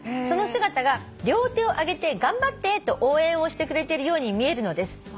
「その姿が両手を上げて『頑張って！』と応援をしてくれてるように見えるのです」